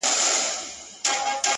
ستا د خولې خندا يې خوښه سـوېده ـ